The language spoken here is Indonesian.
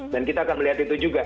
dan kita akan melihat itu juga